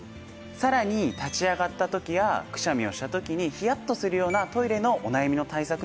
さらに立ち上がった時やくしゃみをした時にヒヤッとするようなトイレのお悩みの対策にもなるんです。